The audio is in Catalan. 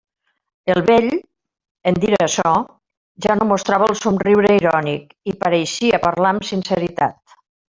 El vell, en dir açò, ja no mostrava el somriure irònic i pareixia parlar amb sinceritat.